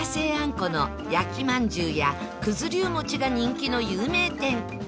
この焼きまんじゅうや九頭龍餅が人気の有名店